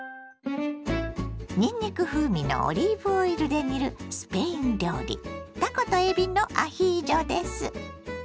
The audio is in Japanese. にんにく風味のオリーブオイルで煮るスペイン料理たことえびのアヒージョです。